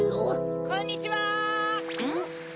・こんにちは・ん？